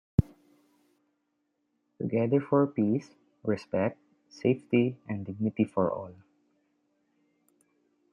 Together for Peace: Respect, Safety and Dignity for All.